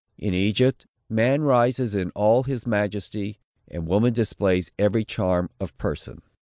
In Egypt, man rises in all his majesty, and woman displays every charm of person.